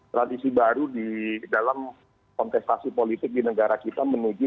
tradisi baru di dalam kontestasi politik di negara kita menuju